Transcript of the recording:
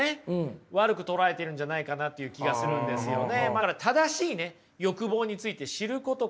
悪く捉えているんじゃないかなっていう気がするんですよね。